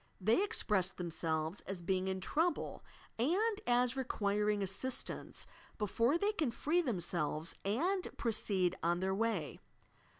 They express themselves as being in trouble and as requiring assistance before they can free themselves and proceed on their way.